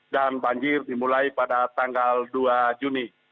dan banjir dimulai pada tanggal dua juni